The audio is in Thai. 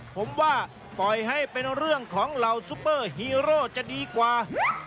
ผมว่าปล่อยให้เป็นเรื่องของเหล่าซุปเปอร์ฮีโร่จะดีกว่า